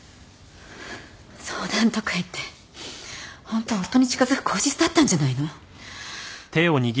相談とか言ってホントは夫に近づく口実だったんじゃないの？